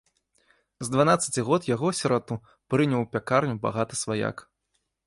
З дванаццаці год яго, сірату, прыняў у пякарню багаты сваяк.